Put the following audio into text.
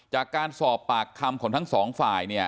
จากการสอบปากคำของทั้ง๒ฝ่าย